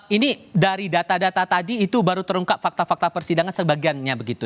ini dari data data tadi itu baru terungkap fakta fakta persidangan sebagiannya begitu